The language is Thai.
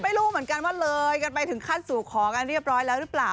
ไม่รู้เหมือนกันว่าเลยกันไปถึงขั้นสู่ขอกันเรียบร้อยแล้วหรือเปล่า